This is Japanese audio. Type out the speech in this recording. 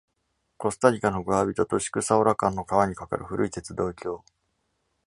コスタリカのグアビトとシクサオラ間の川に架かる、古い鉄道橋。